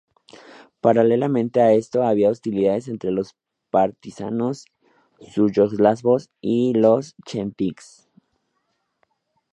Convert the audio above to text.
Paralelamente a esto, había hostilidades entre los partisanos yugoslavos y los Chetniks.